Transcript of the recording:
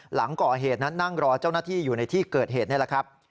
หลังก่อเหตุนั้นนั่งรอเจ้าหน้าที่อยู่ในที่เกิดเหตุนี่แหละครับ